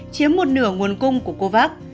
chiếm một nửa nguồn cung của covax